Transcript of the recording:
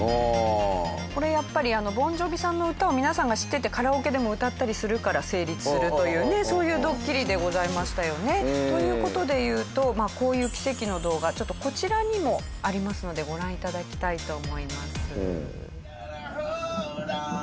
これやっぱりボン・ジョヴィさんの歌を皆さんが知っててカラオケでも歌ったりするから成立するというねそういうドッキリでございましたよね。という事でいうとこういう奇跡の動画ちょっとこちらにもありますのでご覧頂きたいと思います。